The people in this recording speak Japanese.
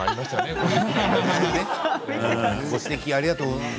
ご指摘ありがとうございます。